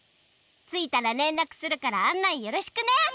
ついたられんらくするからあんないよろしくね！